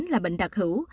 là bệnh đặc hữu